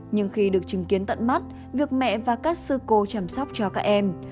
nhưng khi được chứng kiến tận mắt việc mẹ và các sư cô chăm sóc cho các em